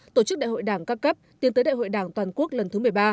tổ chức đại hội đảng các cấp tiến tới đại hội đảng toàn quốc lần thứ một mươi ba